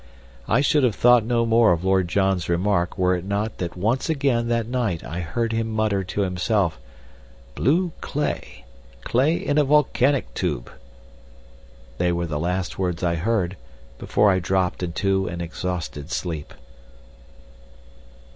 I should have thought no more of Lord John's remark were it not that once again that night I heard him mutter to himself: "Blue clay clay in a volcanic tube!" They were the last words I heard before I dropped into an exhausted sleep.